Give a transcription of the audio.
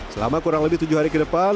selama kurang lebih tujuh hari ke depan